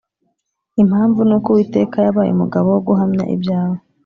Impamvu ni uko Uwiteka yabaye umugabo wo guhamya ibyawe